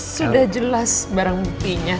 sudah jelas barang buktinya